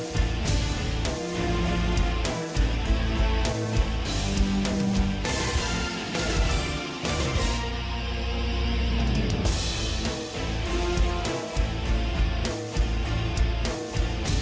สวัสดีครับอเกาหลี